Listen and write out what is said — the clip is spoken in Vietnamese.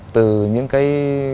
từ những cái